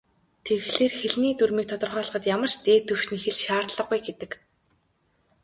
Тэгэхээр, хэлний дүрмийг тодорхойлоход ямар ч "дээд түвшний хэл" шаардлагагүй гэдэг.